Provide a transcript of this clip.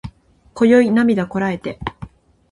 今宵涙こらえて